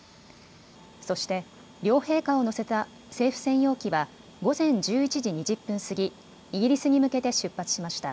そして両陛下を乗せた政府専用機は午前１１時２０分過ぎ、イギリスに向けて出発しました。